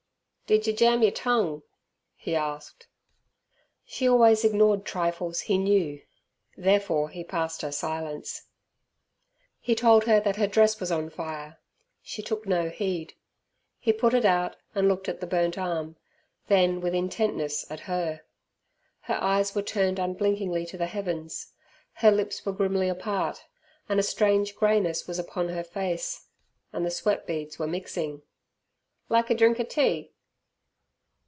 "Did yer jam yer tongue?" he asked. She always ignored trifles, he knew, therefore he passed her silence. He told her that her dress was on fire. She took no heed. He put it out, and looked at the burnt arm, then with intentness at her. Her eyes were turned unblinkingly to the heavens, her lips were grimly apart, and a strange greyness was upon her face, and the sweat beads were mixing. "Like a drink er tea?